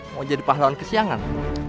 mau jadi pahlawan kesiangan